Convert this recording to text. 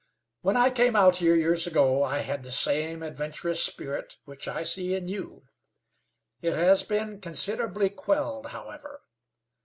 "When I came out here years ago I had the same adventurous spirit which I see in you. It has been considerably quelled, however.